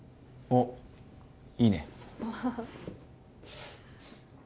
おっいいね